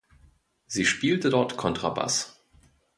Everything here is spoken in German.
Sie spielte dort Kontrabass.